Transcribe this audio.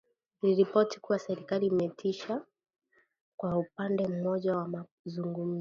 Iliripoti kuwa serikali imesitisha kwa upande mmoja mazungumzo